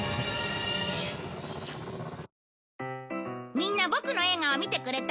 みんなボクの映画は見てくれた？